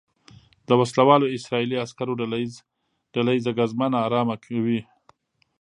د وسلوالو اسرائیلي عسکرو ډله ییزه ګزمه نا ارامه کوي.